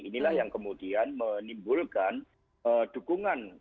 inilah yang kemudian menimbulkan dukungan